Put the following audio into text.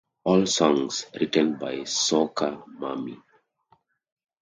All songs written by Soccer Mommy